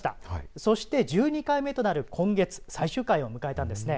そして１２回目となる今月最終回を迎えたんですね。